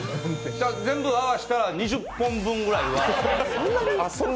全部合わせたら２０本分くらいは。